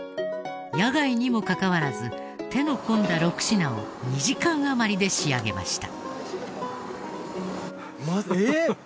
野外にもかかわらず手の込んだ６品を２時間あまりで仕上げました。